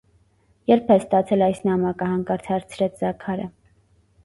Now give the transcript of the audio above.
- Ե՞րբ ես ստացել այս նամակը,- հանկարծ հարցրեց Զաքարը: